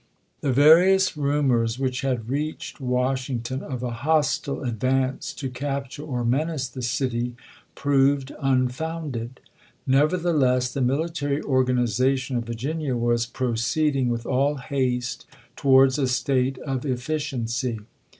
The various rumors which had reached Washing ton of a hostile advance to capture or menace the city proved unfounded. Nevertheless the military organization of Virginia was proceeding with all haste towards a state of efficiency.